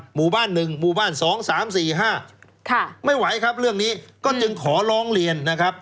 หมู่บ้านหนึ่งหมู่บ้านสองสามสี่ห้าไม่ไหวครับเรื่องนี้ก็จึงขอล้องเรียนนะครับ